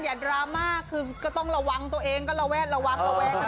อย่าดราม่าคือก็ต้องระวังตัวเองก็ระวัง